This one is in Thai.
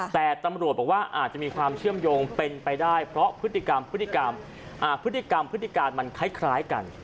แต่ตำรวจบอกว่าอาจจะมีความเชื่อมโยงเป็นไปได้เพราะพฤติกรรมพฤติกรรมพฤติการมันคล้ายกัน